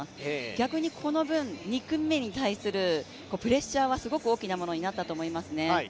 逆にこの分、２組目に対する、プレッシャーはすごく大きなものになったと思いますね。